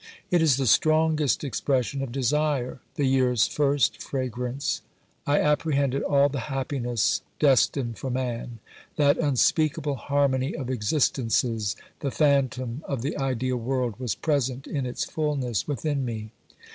It is the strongest expression of desire, the year's first fragrance. I apprehended all the happiness destined for man. That unspeakable harmony of existences, the phantom of the ideal world, was present in its fulness within me.